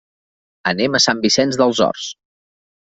Anem a Sant Vicenç dels Horts.